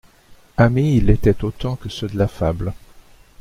Amis, ils l'étaient autant que ceux de la fable.